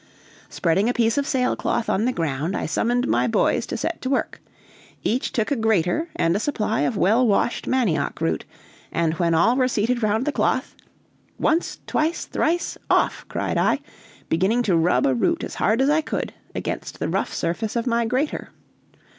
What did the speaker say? Spreading a piece of sailcloth on the ground, I summoned my boys to set to work. Each took a grater and a supply of well washed manioc root, and when all were seated round the cloth "Once, twice, thrice! Off!" cried I, beginning to rub a root as hard as I could against the rough surface of my grater.